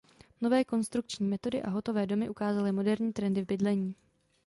Nové konstrukční metody a hotové domy ukázaly moderní trendy v bydlení.